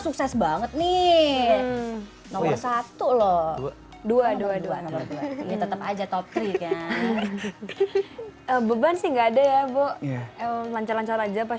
sukses banget nih nomor satu loh dua dua nomor dua tetap aja top tiga beban sih enggak ada ya bu lancar lancar aja pas